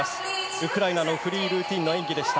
ウクライナのフリールーティンの演技でした。